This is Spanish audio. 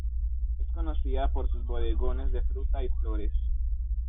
Es conocida por sus bodegones de fruta y flores.